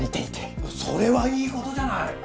それはいい事じゃない！